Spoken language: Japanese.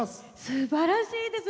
すばらしいです。